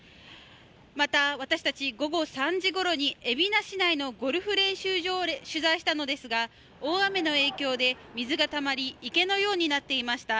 また、私たち午後３時ごろに海老名市内のゴルフ練習場を取材したのですが大雨の影響で水がたまり、池のようになっていました。